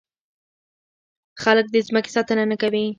خلک د ځمکې ساتنه نه کوي.